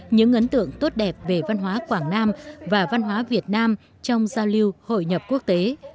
những ấn tượng tốt đẹp về văn hóa quảng nam và văn hóa việt nam trong giao lưu hội nhập quốc tế